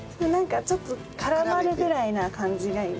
なんかちょっと絡まるぐらいな感じが。